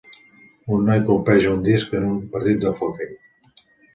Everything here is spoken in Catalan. un noi colpeja un disc en un partit d'hoquei.